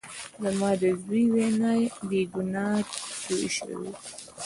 زما د زوى وينه بې ګناه تويې شوې.